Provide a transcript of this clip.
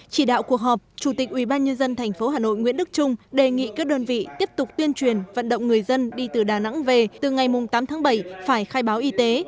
chỉ đạo cuộc họp chủ tịch ubnd tp hà nội nguyễn đức trung đề nghị các đơn vị tiếp tục tuyên truyền vận động người dân đi từ đà nẵng về từ ngày tám tháng bảy phải khai báo y tế